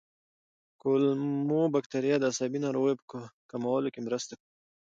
کولمو بکتریاوې د عصبي ناروغیو په کمولو کې مرسته کوي.